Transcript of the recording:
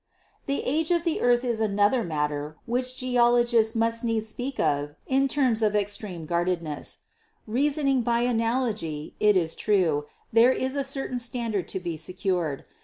The Age of the Earth is another matter which geologists must needs speak of in terms of extreme guardedness. HISTORICAL GEOLOGY 237 Reasoning by analogy, it is true, there is a certain standard to be secured.